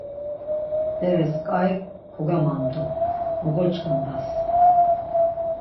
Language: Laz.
Beres ǩai kogamandu, mo goç̌ǩondas!